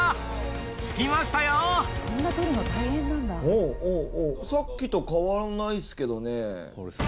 おおおおおおさっきと変わらないっすけどね。